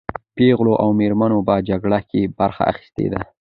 پېغلو او مېرمنو په جګړه کې برخه اخیستې ده.